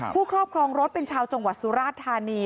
ครอบครองรถเป็นชาวจังหวัดสุราชธานี